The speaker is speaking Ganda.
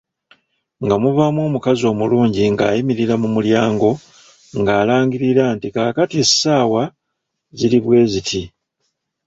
Nga muvaamu omukazi omulungi ng’ayimirira mu mulyango ng’alangirira nti kaakati essaawa ziri bwe ziti.